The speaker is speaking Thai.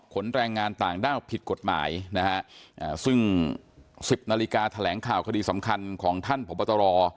แรงงานต่างด้าวผิดกฎหมายนะฮะซึ่งสิบนาฬิกาแถลงข่าวคดีสำคัญของท่านพบตร